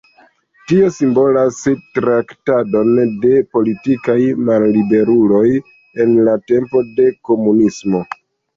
Tio simbolas traktadon de politikaj malliberuloj en la tempo de komunismo.